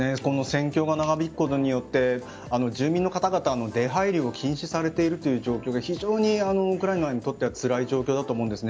戦況が長引くことによって住民の方々の出入りも禁止されているという状況が非常にウクライナにとってはつらい状況だと思うんです。